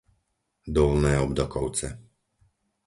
Dolné Obdokovce